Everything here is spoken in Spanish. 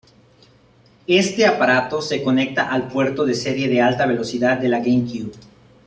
Este aparato se conecta al puerto serie de alta velocidad de la GameCube.